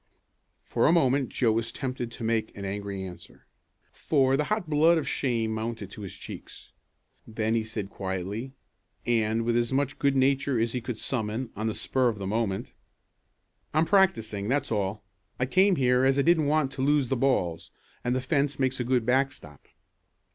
For a moment Joe was tempted to make an angry answer, for the hot blood of shame mounted to his cheeks. Then he said quietly, and with as much good nature as he could summon on the spur of the moment: "I'm practicing, that's all. I came here as I didn't want to lose the balls, and the fence makes a good backstop."